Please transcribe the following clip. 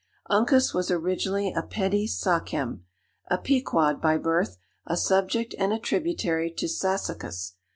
Uncas was originally a petty sachem; a Pequod by birth; a subject and a tributary to Sassacus.